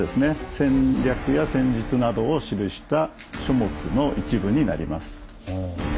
戦略や戦術などを記した書物の一部になります。